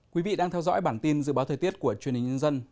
quý vị đang theo dõi bản tin dự báo thời tiết của truyền hình nhân dân